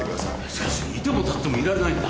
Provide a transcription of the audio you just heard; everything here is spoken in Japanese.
しかしいても立ってもいられないんだ。